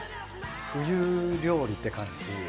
冬料理って感じするよ。